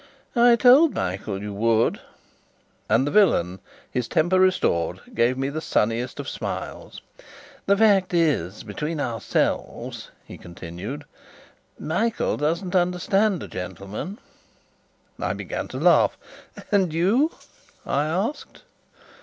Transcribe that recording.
"I told Michael you would;" and the villain, his temper restored, gave me the sunniest of smiles. "The fact is, between ourselves," he continued, "Michael doesn't understand a gentleman." I began to laugh. "And you?" I asked.